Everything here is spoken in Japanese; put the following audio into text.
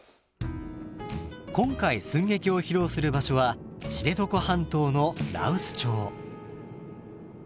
今回寸劇を披露する場所は知床半島の羅臼町。